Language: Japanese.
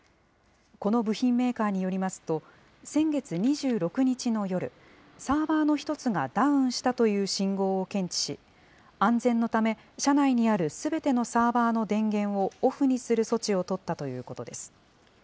この部品メーカーによりますと、先月２６日の夜、サーバーの一つがダウンしたという信号を検知し、安全のため、社内にあるすべてのサーバーの電源をオフにする措置を取ったということです。